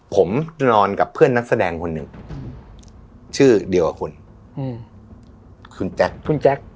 ผมนอนกับเพื่อนนักแสดงคนหนึ่งชื่อเดียวกับคุณอืมคุณคุณแจ๊คคุณแจ๊ค